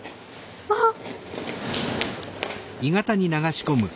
あっ。